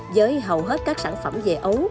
với hầu hết các sản phẩm về ấu